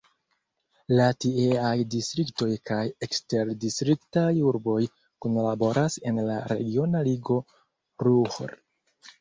La tieaj distriktoj kaj eksterdistriktaj urboj kunlaboras en la regiona ligo Ruhr.